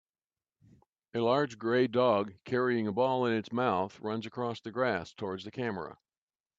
A large gray dog carrying a ball in its mouth runs across the grass towards the camera.